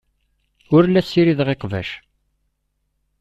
Ur la ssirideɣ iqbac.